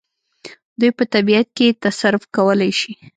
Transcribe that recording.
دوی په طبیعت کې تصرف کولای شي.